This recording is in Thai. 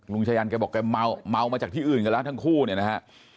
ชายันแกบอกแกเมามาจากที่อื่นกันแล้วทั้งคู่เนี่ยนะฮะ